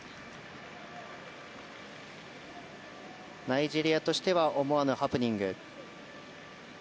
ナイジェリアとしては思わぬハプニング。